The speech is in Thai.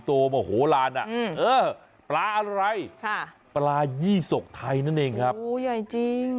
โมโหลานอ่ะเออปลาอะไรค่ะปลายี่ศกไทยนั่นเองครับโอ้ใหญ่จริง